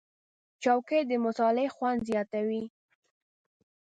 چوکۍ د مطالعې خوند زیاتوي.